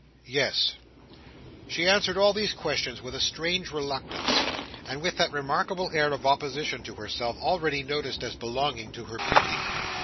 "Yes." She answered all these questions with a strange reluctance; and with that remarkable air of opposition to herself, already noticed as belonging to her beauty.